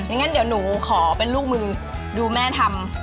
งั้นเดี๋ยวหนูขอเป็นลูกมือดูแม่ทำ